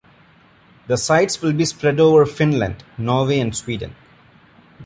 The sites will be spread over Finland, Norway and Sweden.